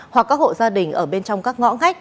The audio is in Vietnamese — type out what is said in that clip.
hoặc các hộ gia đình ở bên trong các ngõ ngách